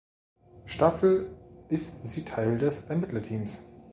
Staffel ist sie Teil des Ermittlerteams.